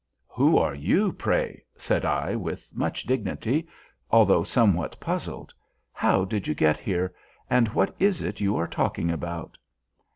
"Who are you, pray?" said I with much dignity, although somewhat puzzled; "how did you get here? and what is it you are talking about?"